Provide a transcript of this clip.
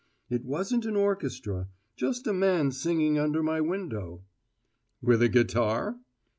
It wasn't an orchestra just a man singing under my window." "With a guitar?"